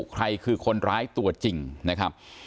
ใครคือคนร้ายตัวจริงนะครับ